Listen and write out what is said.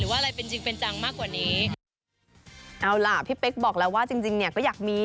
เอาล่ะพี่เบ๊กบอกแล้วว่าจริงเนี่ยก็อยากมี